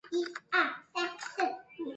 开凿和竖立方尖碑是一项艰巨工程。